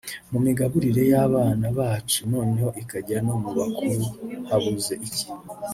mu migaburire y’abana bacu noneho ikajya no mu bakuru habuze iki